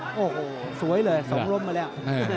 โอ้โหสวยเลยส่งล้มมาแล้ว